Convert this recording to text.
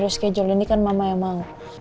di schedule ini kan mamah emang